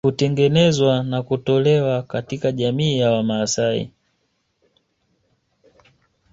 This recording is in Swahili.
Hutengenezwa na kutolewa katika jamii ya Wamasai